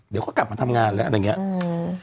เดี๋ยวก็กลับมาทำงานแล้วอะไรเงี้ยอืม